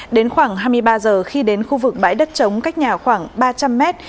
đến khoảng hai mươi ba giờ khi đến khu vực bãi đất trống cách nhà khoảng ba trăm linh mét